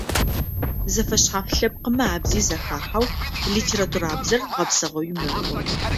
Зэфэшъхьаф лъэпкъымэ абзи зэхахьау литературабзэр гъэпсыгъэуи мэхъу.